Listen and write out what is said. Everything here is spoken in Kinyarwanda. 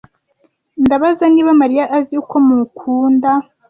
Ndabaza niba Mariya azi uko mukunda.